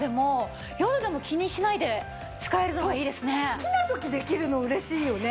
好きな時できるの嬉しいよね！